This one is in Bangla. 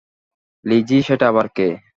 লিজি, সেটা আবার কে?